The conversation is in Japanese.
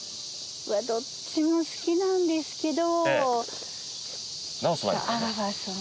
どっちも好きなんですけど阿川さん。